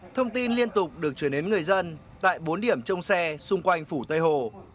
thông tin liên tục được chuyển đến người dân tại bốn điểm trông xe xung quanh phủ tây hồ